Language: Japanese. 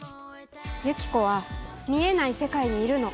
ユキコは見えない世界にいるの。